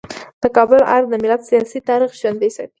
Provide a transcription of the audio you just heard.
د کابل ارګ د ملت سیاسي تاریخ ژوندی ساتي.